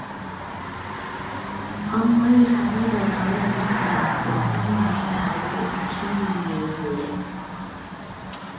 可唔可以喺呢度討論一下，廣東話嘅口語同書面語互譯？